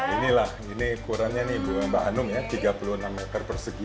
inilah ini ukurannya nih mbak anung ya tiga puluh enam meter persegi